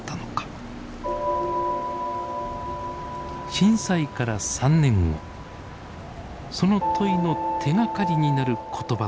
震災から３年後その問いの手がかりになる言葉と出会います。